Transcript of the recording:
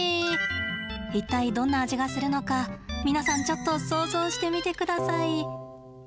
一体どんな味がするのか皆さんちょっと想像してみてください。